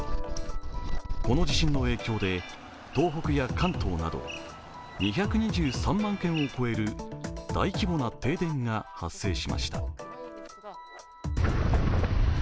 この地震の影響で東北や関東など２２３万軒を超える大規模な停電が発生しました。